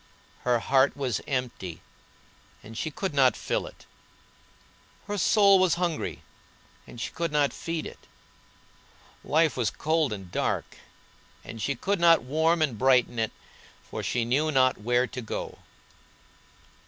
Her heart was empty and she could not fill it; her soul was hungry and she could not feed it; life was cold and dark and she could not warm and brighten it, for she knew not where to go.